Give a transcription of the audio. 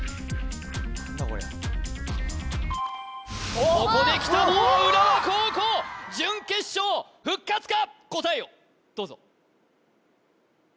何だこりゃここできたのは浦和高校準決勝復活か！？